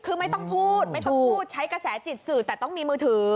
คือไม่ต้องพูดใช้กระแสจิตสื่อแต่ต้องมีมือถือ